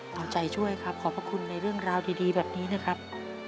เอาใจช่วยครับขอบพระคุณในเรื่องราวดีแบบนี้นะครับ